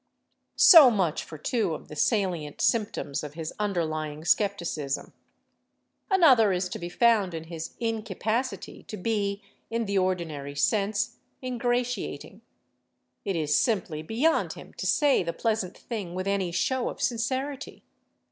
So much for two of the salient symptoms of his underlying skepticism. Another is to be found in his incapacity to be, in the ordinary sense, ingratiating; it is simply beyond him to say the pleasant thing with any show of sincerity.